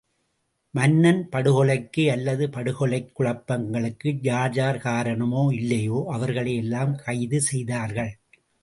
மன்னன் படுகொலைக்கு அல்லது படுகொலைக் குழப்பங்களுக்கு யார் யார் காரணமோ இல்லையோ, அவர்களை எல்லாம் கைது செய்தார்கள்!